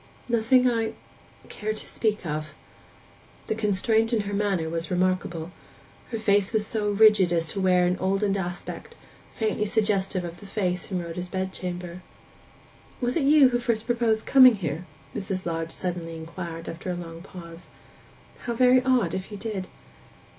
'Nothing I—care to speak of.' The constraint in her manner was remarkable; her face was so rigid as to wear an oldened aspect, faintly suggestive of the face in Rhoda's bed chamber. 'Was it you who first proposed coming here?' Mrs. Lodge suddenly inquired, after a long pause. 'How very odd, if you did!